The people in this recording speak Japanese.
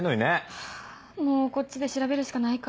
ハァもうこっちで調べるしかないか。